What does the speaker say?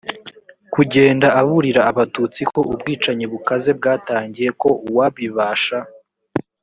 kugenda aburira abatutsi ko ubwicanyi bukaze bwatangiye ko uwabibasha